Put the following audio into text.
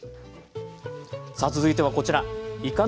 さあ続いてはこちら。